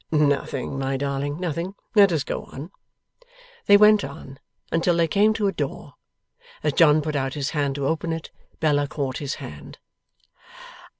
'Nothing, my darling, nothing. Let us go on.' They went on, until they came to a door. As John put out his hand to open it, Bella caught his hand.